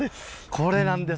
これなんです。